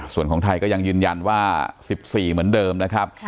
ส่วนของไทยก็ยังยืนยันว่า๑๔เหมือนเดิมนะครับ